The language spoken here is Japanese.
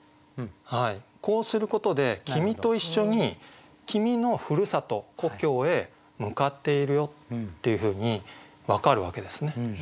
こうすることで君と一緒に君のふるさと故郷へ向かっているよっていうふうに分かるわけですね。